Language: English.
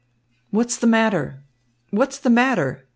"What's the matter? What's the matter?"